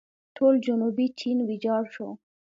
ټول جنوبي چین ویجاړ شو.